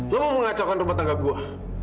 lu mau mengacaukan rumah tangga gue